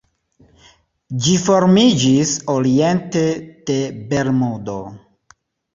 Ĝi formiĝis oriente de Bermudo.